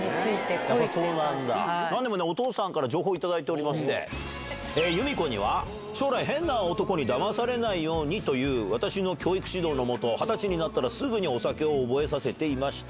なんでも、お父さんから情報頂いておりまして、由美子には将来変な男にだまされないようにという私の教育指導の下、２０歳になったらすぐにお酒を覚えさせていました。